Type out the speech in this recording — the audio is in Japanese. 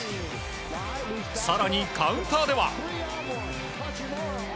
更に、カウンターでは。